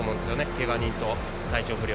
けが人と、体調不良。